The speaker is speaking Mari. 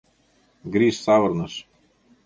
— Гриш савырныш.